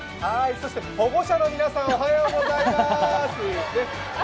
保護者の皆さん、おはようございます！